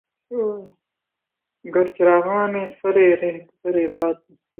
گر چراغانِ سرِ رہ گزرِ باد نہیں